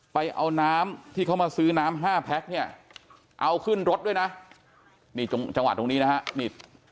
ไปเอาน้ำที่เขามาซื้อน้ำห้าแพ็คเนี่ยเอาขึ้นรถด้วยนะนี่จังหวะตรงนี้นะฮะนี่